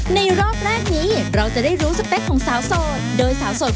ในรอบแรกนี้เราจะได้รู้สเปคของสาวโสด